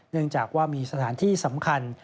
เนื่องจากว่ามีสถานที่สำคัญ